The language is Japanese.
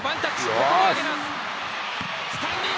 ここは上げます。